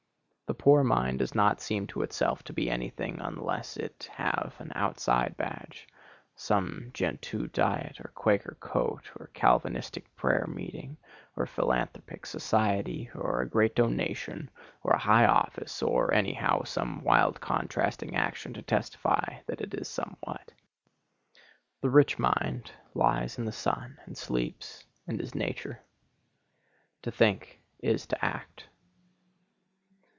The poor mind does not seem to itself to be any thing unless it have an outside badge,—some Gentoo diet, or Quaker coat, or Calvinistic prayer meeting, or philanthropic society, or a great donation, or a high office, or, any how, some wild contrasting action to testify that it is somewhat. The rich mind lies in the sun and sleeps, and is Nature. To think is to act.